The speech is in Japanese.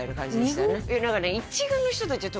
何かね